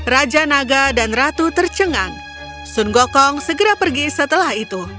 raja naga dan ratu tercengang sun gokong segera pergi setelah itu